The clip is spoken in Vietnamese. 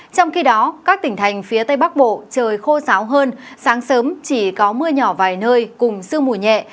trong khi đó các tỉnh thành phía tây bắc bộ trời khô sáo hơn sáng sớm chỉ có mưa nhỏ vài nơi cùng sương mù nhẹ